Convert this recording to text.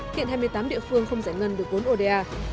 hiện hai mươi tám địa phương không giải ngân được vốn oda